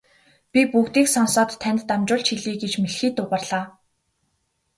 Би бүгдийг сонсоод танд дамжуулж хэлье гэж мэлхий дуугарлаа.